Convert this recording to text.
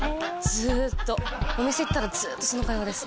ずっとお店行ったらずっとその会話です